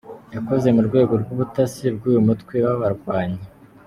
Yakoze mu rwego rw’ubutasi bw’uyu mutwe w’abarwanyi.